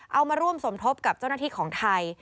เอามาร่วมสมทบกับเจ้าหน้าที่ของไทย